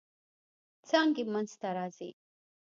څانګې منځ ته راځي.